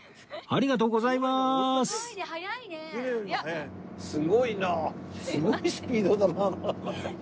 ありがとうございます。